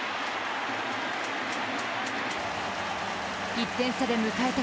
１点差で迎えた